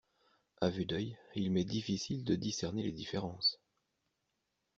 À vue d’œil, il m’est difficile de discerner les différences.